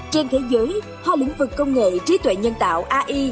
trên thế giới hoa lĩnh vực công nghệ trí tuệ nhân tạo ai